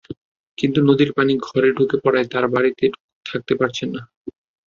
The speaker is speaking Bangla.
কিন্তু নদীর পানি ঘরে ঢুকে পড়ায় তাঁরা বাড়িতে থাকতে পারছেন না।